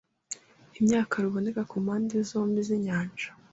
imyaka ruboneka ku mpande zombi z'inyanja